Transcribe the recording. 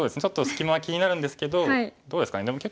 ちょっと隙間は気になるんですけどどうですかね。